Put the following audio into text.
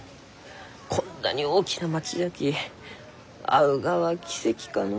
こんなに大きな町じゃき会うがは奇跡かのう。